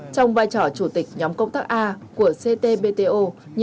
trong vai trò chủ tịch nhóm công tác a của ctbto